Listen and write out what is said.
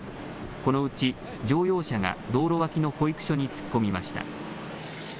このうち乗用車が道路脇の保育所に突っ込みました。